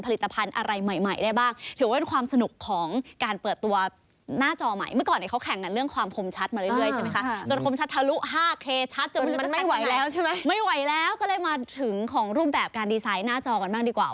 แล้วก็เลยมาถึงของรูปแบบการดีไซน์หน้าจอก่อนบ้างดีกว่า